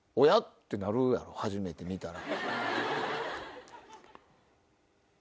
ってなるやろ初めて見たら。